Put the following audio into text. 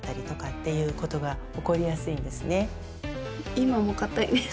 今もかたいです。